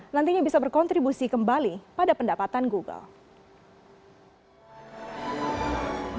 nantinya bisa berkontribusi kembali pada pendapatan google